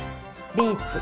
ビーツ。